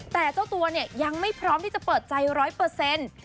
แต่เจ้าตัวเนี่ยยังไม่พร้อมที่จะเปิดใจร้อยเปอร์เซ็นต์